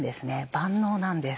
万能なんです。